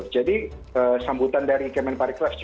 jadi sambutan dari kemen pariklas